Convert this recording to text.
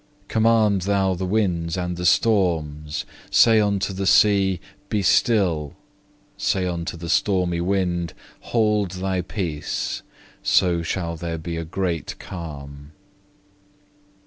Command Thou the winds and the storms, say unto the sea, "Be still," say unto the stormy wind, "Hold thy peace," so shall there be a great calm.